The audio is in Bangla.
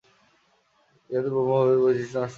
ইহাতে ব্রহ্মভাবের বৈশিষ্ট্য নষ্ট হইয়া যায়।